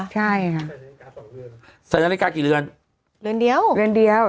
ใส่นาฬิกากี่เลือนนาฬิกาเลือนเดียว